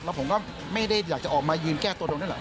แล้วผมก็ไม่ได้อยากจะออกมายืนแก้ตัวตรงนั้นแหละ